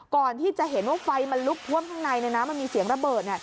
ก่อนที่จะเห็นว่าไฟมันลุกท่วมข้างในน้ำมันมีเสียงระเบิด